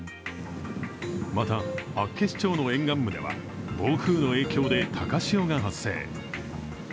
また厚岸町の沿岸部では、暴風の影響で高潮が発生。